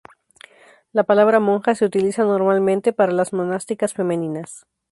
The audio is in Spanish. La palabra monja se utiliza normalmente para las monásticas femeninas.